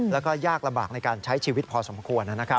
แล้วก็ยากระบากในการใช้ชีวิตพอสมควร